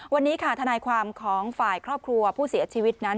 วันนี้ค่ะทนายความของฝ่ายครอบครัวผู้เสียชีวิตนั้น